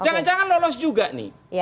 jangan jangan lolos juga nih